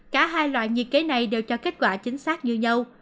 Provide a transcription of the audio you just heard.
cả hai loại nhiệt kế này đều cho kết quả chính xác như nhau